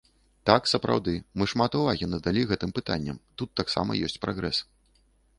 Так, сапраўды, мы шмат увагі надалі гэтым пытанням, тут таксама ёсць прагрэс.